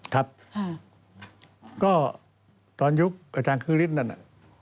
ครับก็ตอนยุคอาจารย์คือฤทธิ์นั่นน่ะ